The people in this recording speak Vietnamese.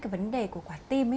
cái vấn đề của quả tim